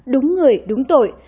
đúng người đúng tội